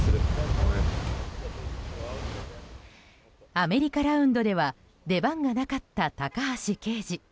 アメリカラウンドでは出番がなかった高橋奎二。